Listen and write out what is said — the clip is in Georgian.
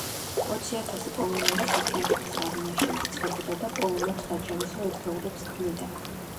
ოცი ათასი პოლონელი საფრანგეთის არმიაში ირიცხებოდა და პოლონურ საჯარისო ერთეულებს ქმნიდა.